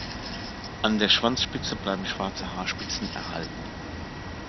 An der Schwanzspitze bleiben schwarze Haarspitzen erhalten.